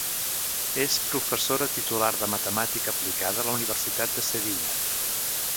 És professora titular de Matemàtica Aplicada a la Universitat de Sevilla.